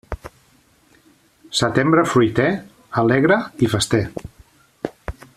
Setembre fruiter, alegre i fester.